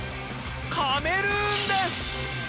カメルーンです。